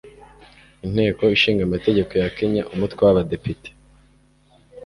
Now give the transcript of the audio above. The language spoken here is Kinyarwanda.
Inteko ishinga amategeko ya Kenya, umutwe w'Abadepite,